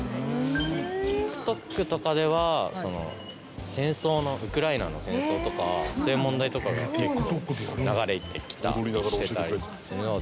ＴｉｋＴｏｋとかでは戦争のウクライナの戦争とかそういう問題とかが結構流れてきたりしてたりするので。